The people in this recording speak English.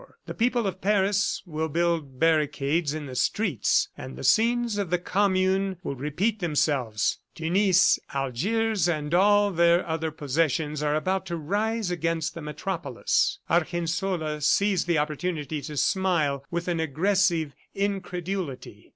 The people of Paris will build barricades in the streets and the scenes of the Commune will repeat themselves. Tunis, Algiers and all their other possessions are about to rise against the metropolis." Argensola seized the opportunity to smile with an aggressive incredulity.